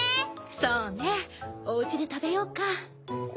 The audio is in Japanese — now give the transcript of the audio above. そうねお家で食べようか。